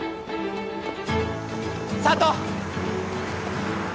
佐都！